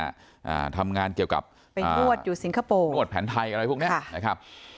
อ่าทำงานเกี่ยวกับไปนวดอยู่สิงคโปร์นวดแผนไทยอะไรพวกเนี้ยค่ะนะครับ